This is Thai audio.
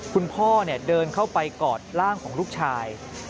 คุณพ่อเดินเข้าไปกอดร่างของลูกชาย